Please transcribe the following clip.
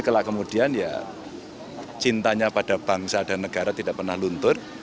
kalau kemudian ya cintanya pada bangsa dan negara tidak pernah luntur